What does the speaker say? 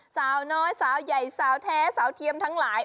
สาวน้อยสาวใหญ่สาวแท้สาวเทียมทั้งหลาย